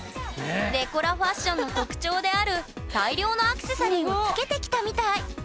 デコラファッションの特徴である大量のアクセサリーをつけてきたみたい。